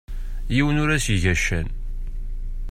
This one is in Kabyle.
Yiwen ur as-iga ccan.